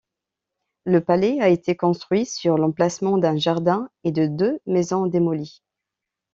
Le palais a été construit sur l'emplacement d'un jardin et de deux maisons démolies.